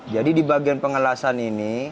jadi di bagian pengelasan ini